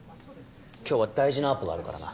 今日は大事なアポがあるからな。